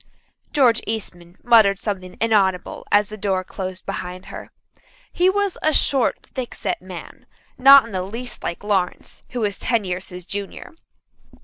George Eastman muttered something inaudible as the door closed behind her. He was a short, thickset man, not in the least like Lawrence, who was ten years his junior.